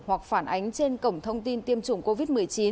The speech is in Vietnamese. hoặc phản ánh trên cổng thông tin tiêm chủng covid một mươi chín